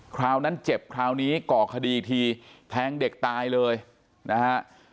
คราวนั้นเจ็บคราวนี้ก่อคดีอีกทีแทงเด็กตายเลยนะฮะ